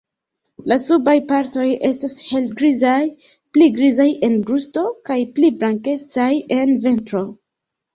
La subaj partoj estas helgrizaj, pli grizaj en brusto kaj pli blankecaj en ventro.